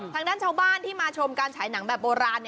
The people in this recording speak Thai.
ทางด้านชาวบ้านที่มาชมการฉายหนังแบบโบราณ